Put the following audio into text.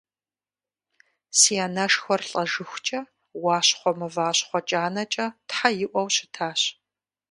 Си анэшхуэр лӏэжыхукӏэ «Уащхъуэ мывэщхъуэ кӏанэкӏэ» тхьэ иӏуэу щытащ.